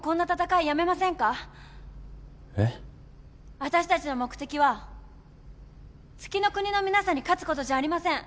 わたしたちの目的は月ノ国の皆さんに勝つことじゃありません。